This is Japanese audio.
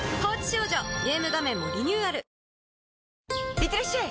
いってらっしゃい！